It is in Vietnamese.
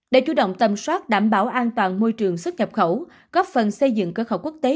để chủ động tầm soát đảm bảo an toàn môi trường xuất nhập khẩu góp phần xây dựng cơ khẩu quốc tế